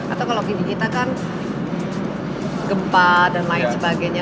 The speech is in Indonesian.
atau kalau kita kan gempa dan lain sebagainya